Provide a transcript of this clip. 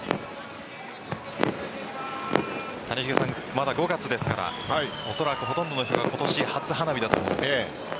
まだ５月ですからおそらくほとんどの人が今年初花火だと思うんです。